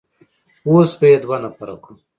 اوس به يې دوه نفره کړو.